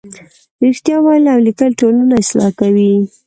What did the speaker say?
رښتیا ویل او لیکل ټولنه اصلاح کوي.